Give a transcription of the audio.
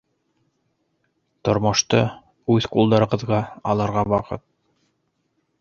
Тормошто үҙ ҡулдарығыҙға алырға ваҡыт